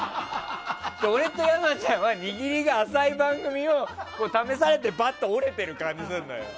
俺と山ちゃんは握りが浅い番組を試されてバット折れてる感じがするのよ。